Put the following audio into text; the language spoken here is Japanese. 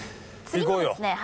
行こうよ！